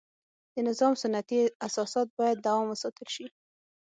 د نظام سنتي اساسات باید دوام وساتل شي.